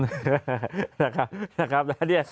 นะครับแล้วเนี่ย